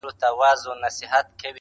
تر پرون مي يوه کمه ده راوړې~